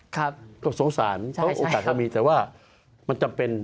ก็สงสารเพราะโอกาสก็มีแต่ว่ามันจำเป็น